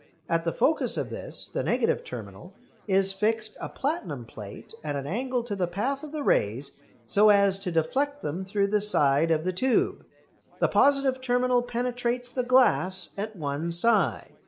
At the focus of this, the negative terminal, is fixed a platinum plate at an angle to the path of the rays so as to deflect them through the side of the tube. The positive terminal penetrates the glass at one side.